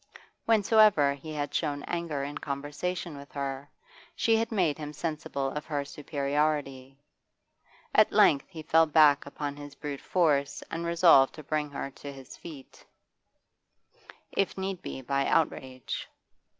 Whensoever he had shown anger in conversation with her, she had made him sensible of her superiority; at length he fell back upon his brute force and resolved to bring her to his feet, if need be by outrage.